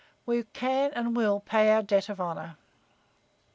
We can and will pay our debt of honor."